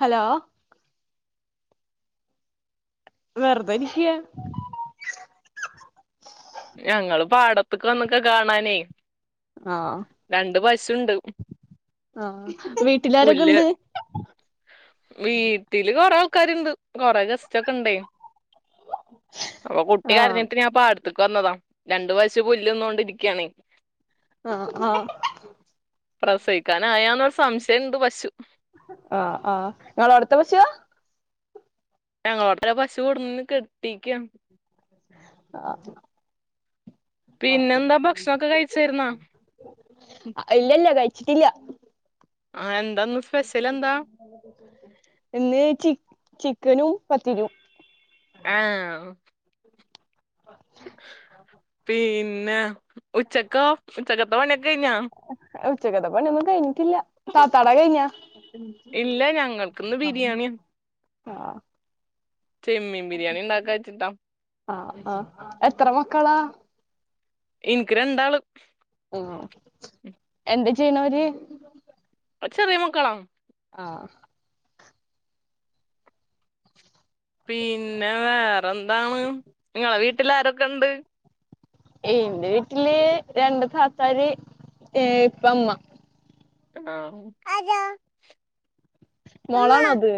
Hello വെർതെരിക്ക്യ ഞങ്ങള് പാടത്തക്ക് വന്ന്ക്ക കാണാനേ രണ്ട് പശുണ്ട് ആ വീട്ടിൽ ആരൊക്കെ പുല്ല് ണ്ട് വീട്ടില് കൊറേ ക്കാരുണ്ട് കൊറെേ ഗസ്റ്റൊക്കണ്ടേ അപ്പൊ കുട്ടി ആഹ് കരഞ്ഞിട്ട് ഞാ പ കൊന്നത് രണ്ട് പശു പുല്ല്ന്നോണ്ടിരിക്ക്യാണേ ആഹ് ആഹ് പ്രസവിക്കാനായന്നരു സംശയണ്ട് പശു ആ ആഹ് ങ്ങളടത്തെ പശുവാ ഞങ്ങളാട്ത്തെ പശു കൊട്ന്ന് കെട്ടിക്ക്യ ആ പിന്നെന്താ ഭക്ഷണൊക്കെ കഴിച്ചായിരുന്നാ അ ഇല്ലല്ല കഴി ച്ചിട്ടില്ല ആ എന്താന്നു സ്പെഷലെന്താ ഇന്ന് ചി ചിക്കനും പത്തിരും ആഹ് ന ഉച്ചക്കൊ ഉച്ചക്കത്തെ പണിയൊക്കെ കഴിഞ്ഞോ ഉച്ചക്കത്തെ പണി ഒന്നും കഴഞ്ഞിട്ടില്ല താത്താടെ കഴിഞ്ഞ ഇല്ല ഞങ്ങൾക്ക്ന്ന് ബിരിയാണിയ ആ ചെമ്മീം ബിരിയാണി ണ്ടാക്കച്ച്ട്ടാ ആ ആ എത്ര മക്കളാ ഇൻക്ക് രണ്ടാള് ഉം എന്ത ചെയ്യണവര് ചെറിയ മക്കളാ ആ പിന്നെ വേറെന്താണ് നിങ്ങളെ വീട്ടിൽ ആരൊക്കെ ഉണ്ട് ഇൻ്റെ വീട്ടില് രണ്ട് താത്താര് ഏ ഇപ്പ ഇമ്മ ആ ആരാ മോളണ അത്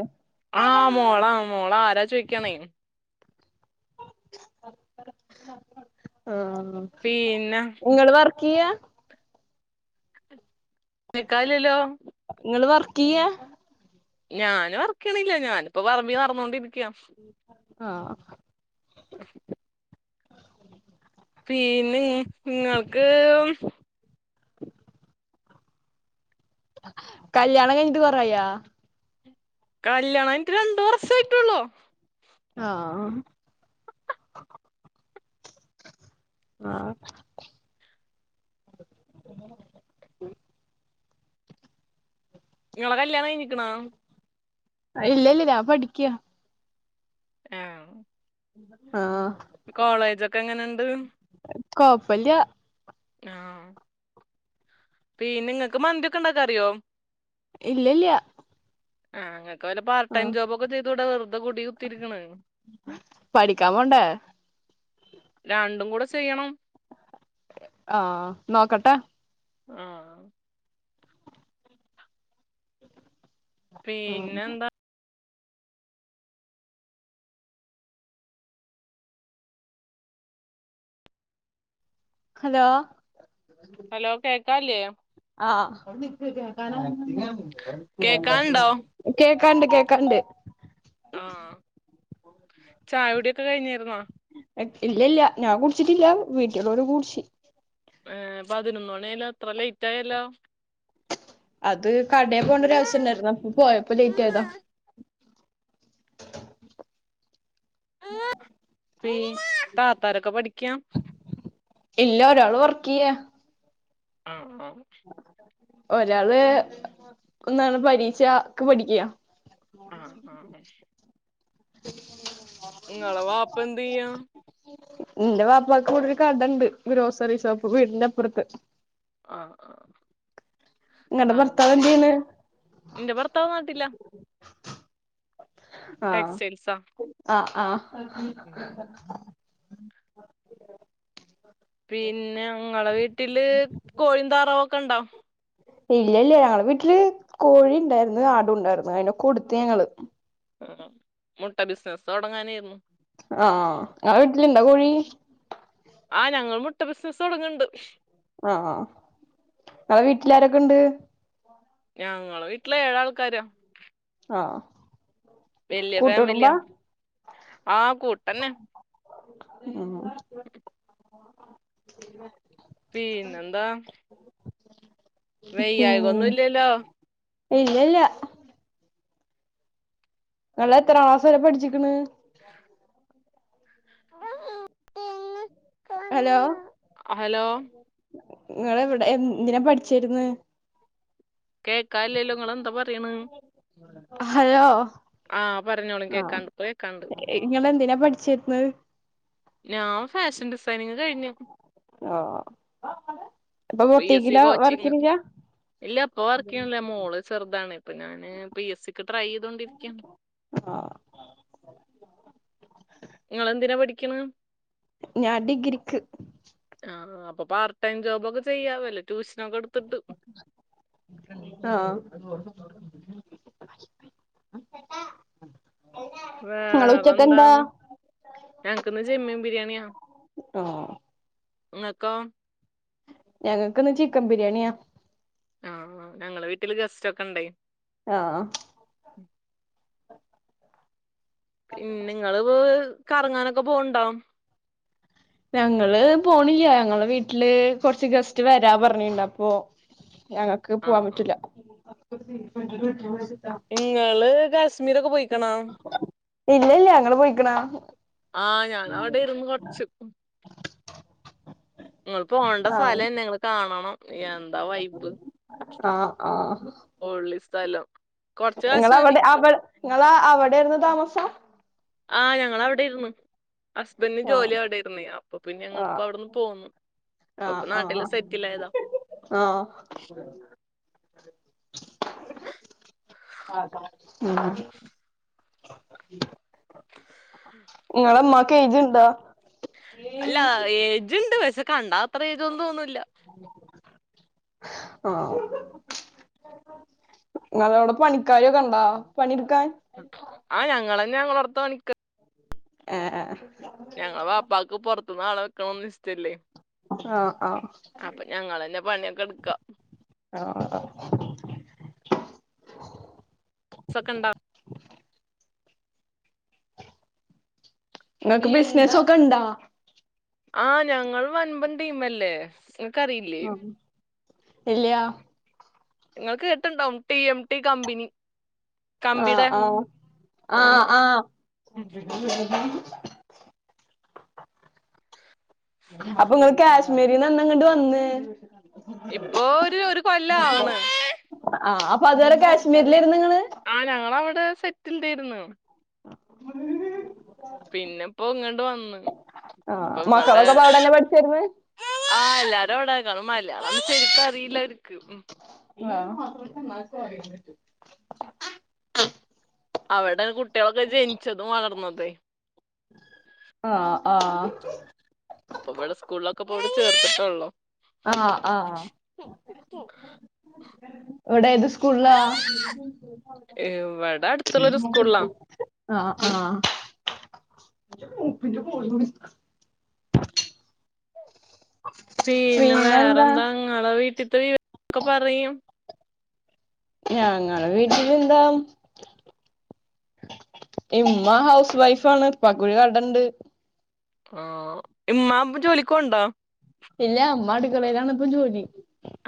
ആ മോളാ മോളാ ആരാ ചോയിക്കാണേ ആ പിന്നെ നങ്ങള് വർക്കിയ്യാ നിക്കായില്ലല്ലോ ങ്ങള് വർക്കിയ്യാ ഞാന് വർക്കിയണില്ല ഞാനിപ്പോ പറമ്പി നടന്നൊണ്ടിരിക്ക്യാ ആ [unintelligible] പിന്നെ നിങ്ങൾക്ക് കല്യാണം കഴിഞ്ഞിട്ട് കൊറേ ആയോ കല്യാണം കഴിഞ്ഞിട്ട് രണ്ട് വർഷായിട്ടോള്ളൂ ആ ആ [inaudible] നിങ്ങളെ കല്യാണം കഴിഞ്ഞിക്കണാ ഇല്ലെല്ലില്ല പഠിക്കിക്യാ ആ ആ കോളേജൊക്കെ എങ്ങനെണ്ട് കോപ്പല്ല ആഹപിന്നെ ങ്ങൾക്ക് മന്തിയൊക്കെ ഉണ്ടാക്കാന റിയോ? ഇല്ലല്യ. ആ വല്ല പാർട്ട് ടൈം ജോബോക്കെ ചെയ്തൂടെ വെറുതെ കൂടി കുത്തിരിക്ക്ണ്. പഠിക്കാൻ പോണ്ടേ രണ്ടും കൂടെ ചെയ്യണം. ആ നോക്കട്ടെ? ആ പിന്നെ എന്താ? ഹലോ ഹലോ കേകാല്ലേ ആ കേക്കാണ്ടോ [unintelligible] കേക്കാ കണ്ട കേ കണ്ട് ആ ചായ കുടിയൊക്കെ കഴിഞ്ഞിരുന്നോ? ഇല്ല ഇല്ല ഞാൻ കുടിച്ചിട്ടില്ല. വീട്ടുള്ളര് കുടിച്ചി. ഏ പതിനൊന്ന് മണിയാലോ ഇ ത്ര ലേറ്റ് ആയല്ലോ? അത് കടയിൽ പോണ്ടരാവശ്യണ്ടായിരുന്നു അപ്പ പോയപ്പോ ലേറ്റ് ആയതാ. താത്താരൊക്കെ പഠിക്കാ ഇല്ല ഒരാള് വർക്ക് ചെയ്യ. ആ ആ ഒരാള് ഒന്നാണ് പരീക്ഷ ക്ക് പഠിക്കാ ആ ആ [unintelligible] ഇവളെ വാപ്പ എന്ത് ചെയ്യാ? എന്റെ വാപ്പാക്ക് ഇവടെ ഒരു കടണ്ട്. Grocery shop വീടിന്റെപ്പുറത്ത്. ആ ആ നിങ്ങടെ ആ ഭർത്താവ് എന്ത് ശരി ചെയ്യണ് ന്റെ ഭർത്താവ് നാട്ടിലാ ആ ടെക്സ്റ്റൈൽസാ ആ ആ പിന്നെ ങ്ങളെ വീട്ടില് കോഴി ഉം താറാവോക്കെ ണ്ടോ? ഇല്ല ഇല്ല ഞങ്ങള് വീട്ടില് കോഴി ഉണ്ടായിരുന്നു ആടുംണ്ടായിരുന്നു അതിനെ കൊടുത്ത് ഞങ്ങള് മം മം മുട്ട ബിസിനസ്സ് തുടങ്ങാനായിരുന്നു. ആ ങ്ങളെ വീട്ടില്ണ്ടോ കോഴി? ആ ഞങ്ങൾ മുട്ട ബിസിനസ്സ് തുടങ്ങണ്ട്. ആ നിങ്ങളെ വീട്ടിലാരൊക്കെണ്ട്? ഞങ്ങളെ വീട്ടില് ഏഴാൾക്കാരാ. ആ വെല്യ ഫാമിലിയാ ആ കൂട്ടന്നെ ഉ [unintelligible] പിന്നെ ന്താ ഇല്ലല്ലോ [unintelligible] ഇല്ലല്ല നിങ്ങൾ എത്ര ക്ലാസം വരെ പഠിച്ചിക്കണ് [unintelligible] ഹലോ ഹലോ നിങ്ങവിടെ എന്തിനാ പഠിച്ചിരുന്നെ കേക്കാല്ലാല്ലോ നിങ്ങന്താ പറയണ് ഹലോ ആഹ പറഞ്ഞോളെ കേക്കാണ്ട് ഇപ്പൊ കേക്കാണ്ട് പഠിച്ചരുന്നെ ഞാൻ ഫാഷൻ ഡിസൈനിങ് കഴിഞ്ഞു ഓ ഇപ്പൊ പി എസ് സി ബൗറ്റിക്കിലാ കോച്ചിങ് വർക്ക്‌രിക്കാ ഇല്ല അപ്പ വർക്ക് ചെയ്യണില്ലേ മോള് ചെറുതാണ് ഇപ്പൊ ഞൻ പി എസ് സിക്ക് ട്രൈ ചെയ്തോണ്ടിരിക്കുകയാണ് ആഹ നിങ്ങെന്തിനാ പഠിക്കണ ഞാൻ ഡിഗ്രിക്ക് ആ് അപ്പൊ പാർട്ട്‌ ടൈം ജോബോക്കെ ചെയ്യാവല്ലേ ട്യൂഷനൊക്കെ എടുത്തിട്ട് ആഹ് ഇങ്ങള് വേറെ ഉച്ചക്കെന്താ എന്താന്ന് ഞനക്ക്ന്ന് ചെമ്മീം ബിരിയാണിയാ ആഹ ഇങ്ങക്കോ ഞങ്ങക്ക്ന്ന് ചിക്കൻ ബിരിയാണിയാ ആഹ ഞങ്ങളെ വീട്ടില് ഗസ്റ്റ് ഒക്കെ ഉണ്ടെ ആഹ പിന്നെങ്ങള് കറങ്ങാനൊക്കെ പോണ്ടോ ഞങ്ങള് പോണില്ല ഞങ്ങളെ വീട്ടില് കൊറച്ച് ഗസ്റ്റ് വരാ പറഞ്ഞിണ്ട് അപ്പൊ ഞങ്ങക്ക് പോവാൻ ആഹ് ആഹ് പറ്റൂല ഇങ്ങള് കാശ്മീർ ഒക്കെ പോയിക്കണാ ഇല്ല ഇല്ല നീങ്ങൾ പോയിക്കണ ആഹ ഞാന അവിടെ ആയിരുന്നു കുറച്ചു നിങ്ങൾ പോണ്ട ആഹ് സ്ഥലംന്നെ നിങ്ങള് കാണണം എന്താ വൈബ് ആഹ് ആഹ് പൊള്ളിസ്ഥല്ലം നിങ്ങളവിടെ അവടെ നിങ്ങള അവിടൊയിരുന്നു താമസം ആഹ ഞങ്ങവിടെ ആയിരുന്നു ഹസ്ബന്ഡന് ആഹ് ജോലി അവിടെരുന്നു അപ്പൊ പിന്നെ ഞങ്ങിപ്പോ അവിടെന്ന് പോന്നു ഇപ്പ ഇപ്പൊ ആഹ നാട്ടില് സെറ്റിൽ ആയതാ ആഹ് ആഹ് ഉം നിങ്ങളെമ്മക്ക് ഏജന് അല്ല ഏജുണ്ട് പക്ഷെ കണ്ടാ അത്ര ഏതൊന്നും തോന്നൂല്ല ആഹ ഞ അവിടെ പണിക്കാരൊക്കെ ഉണ്ടാ പണിെടുക്കാൻ ആ് ഞങ്ങൾന്നെ ഞങ്ങോർത്ത് മണിക്ക ആഹ ആ ഞങ്ങള പാപ്പാക്ക് പുറത്തുന്ന്ളെ വെക്കണന്നന്ന് ഇഷ്ടല്ലേ ആഹ് ആഹ് അപ്പൊ ഞങ്ങള തന്നെ പണിയൊക്കെ എടുക്കാം ആഹ ഒക്കെ ഉണ്ടാവും നിങ്ങക്ക് ബിസിനസ ഒക്കെ ഇണ്ടാ ആഹ ഞങ്ങൾ വൻപൻ ടീമല്ലേ നിങ്ങക്കറിയില്ലേ ഹ എല്ലയ നിങ്ങക്ക് കേട്ടുണ്ടോ ടി എം ടി കമ്പനി കമ്പിയുടെ ആഹ ആഹ ആ ആഹ ആഹ അപ്പൊ നിങ്ങള് കാശ്മീരിന്ന്ന്നങ്ങട്ട് വന്ന് ഇപ്പൊ ഒരു ഒരു കൊല്ല ആണ് പ്പതുവരെ കാശ്മീരിലേര്ന്ന്ങ്ങള് ആ ഞങ്ങളവിടെ സെറ്റിൽഡായിര്ന്ന് [unintelligible] പിന്നെപ്പോ ഇങ്ങട്ട് വന്ന് ആഹ് ഇപ്പംവടെ മക്കളൊക്കെ ഇപ്പൊ അവിടെന്നെ പഠിച്ചേര്ന്ന് ആ എല്ലാരു അവിടാക്കാണ മലയാളം ശെരിക്കറിയില്ലര്ക്ക് ഉം [unintelligible] അവടെ കുട്ട്യേളൊക്കെ ജനിച്ചതും വളർന്നതെ ആഹ് ആഹ് ഇപ്പ ഇവള് സ്കൂൾലൊക്കെ ഇപ്പ ഇവിടെ ചേർത്തട്ടൊള്ളു ആ ആ ഇവടേത് സ്കൂൾലാ ഇവിടെ അടുത്തുള്ളൊരു സ്കൂളിലാ ആ ആ [unintelligible] പീന്നെ പിന്നെന്താ വേറെന്താ ങ്ങളെ വീട്ടിത്തെ വിവ ക്കെ പറയും ഞങ്ങളെ വീട്ടിലെന്താ ഇമ്മ ഹൗസ് വൈഫാണ് ഇപ്പാക്കൊര് കടണ്ട് ആ ഇമ്മാപ്പൊ ജോലിക്കോണ്ടാ ഇല്ല അമ്മ അടുക്കളേലാണപ്പം ജോലി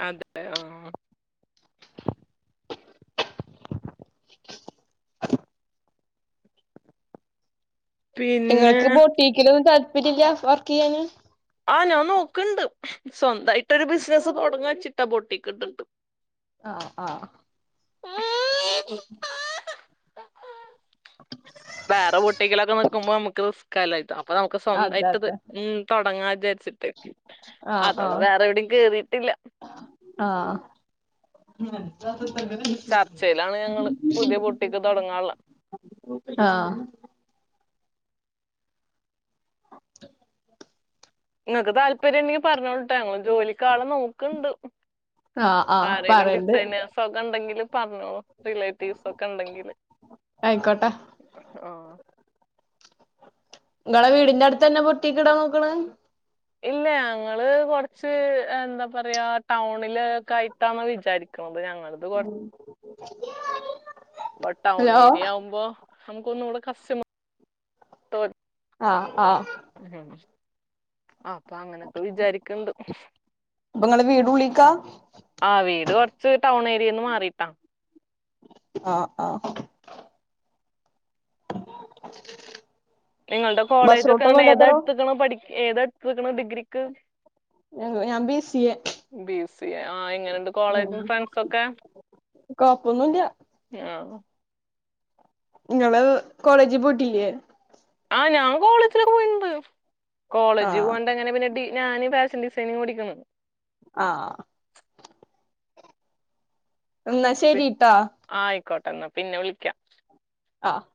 അതെ ഓ പിന്നെ ഇങ്ങൾക്ക് ബോട്ടിക്കിലൊന്നു താല്പര്യല്ല്യ വർക്കെയ്യാന് ആഹ് ഞാൻ നോക്കണ്ട് സ്വന്തായിട്ടൊരു ബിസിനസ് തുടങ്ങാചിട്ടാ ബൊട്ടിക്ക്ട്ട്ട് ആ ആ ഉം [unintelligible] [inaudible] വേറ ബൊട്ടിക്കിലൊക്ക നിക്കുമ്പോമ്മ്ക്ക് റിസ്കല്ലെയട്ട് അപ്പൊ നമുക്ക് അതെ സ്വന്തായ്ട്ട്ത് അതെ ഉം തൊ സെറ്റ് ആഹ് അതോണ്ട് ആഹ് വേറെവടിം കേറിയിട്ടില്ല ഉം ചർച്ചയിലാണ് ഞങ്ങള് പുതിയ ബൊട്ടീക്ക് തൊടങ്ങാള്ള ആഹ ഇങ്ങക്ക് താല്പര്യണ്ടെങ്കി പറഞ്ഞോളുട്ടാങ്ങള് ജോലി ക്കാളെ നോക്കണ്ട് ആഹ് ആഹ് ആരേലും പറയണ്ട് ഡിസൈനേസൊക്കണ്ടെങ്കില് പറ്ഞ്ഞോ റിലേറ്റീവ്സൊക്കെണ്ടെങ്കില് ആയിക്കോട്ടെ ആ ഇങ്ങളെ വീടിന്റെ അടുത്തെന്നാ ബൊട്ടി ക്ക്ടാൻ നോക്കണെ ഇല്ല അങ്ങള് കൊറച്ച് എന്താ പറയാ ടൗണില് കായിട്ടാണ് വിചാരിക്കണത് ഞങ്ങളത് കൊറ [inaudible] ഇപ്പൊ ടൗൺ ഹലോ ഏരിയ ആവുമ്പോ നമുക്കൊന്നുംടെ കസ്റ്റ്മ ആഹ ആഹ ആ അപ്പങ്ങനൊക്കെ വിജാരിക്കണ്ട് അപ്പൊ ഇങ്ങളെ വീട് ഉള്ളിക്കാ ആ വീട് കൊറച്ച് ടൗൺ ഏരിയേന്ന് മാറിട്ടാ ആഹ് ആഹ [inaudible] നിങ്ങൾടെ ബസ് റൂട്ടൊന്നും കോളേജൊക്കെങ്ങനെ ഇല്ലാത്തടോ ഏതാട്ത്ത്ക്കണെ പഠിക്ക ഏതാട്ത്ത്ക്കണേ ഡിഗ്രിക്ക് [unintelligible] ഞാൻ B C A B C A. ആ എങ്ങനെയുണ്ട് കോളേജും ഫ്രണ്ട്സ് ഒക്കെ ഒന്നുല്ല്യ ആ ഇങ്ങള് കോളേജ് പോയിട്ടില്ലേ ആ ഞാൻ കോളേജില് പോയിണ്ട് കോളേജി ആഹ് പോവാണ്ടെങ്ങനെ പിന്നെ ട്ടീ ഞാന് ഫാഷൻ ഡിസൈനിങ്ങ് പഠിക്കണ് ആ ന്നാ ശരിട്ടാ ആയിക്കോട്ടെ എന്നാ പിന്നെ വിളിക്കാം ആഹ്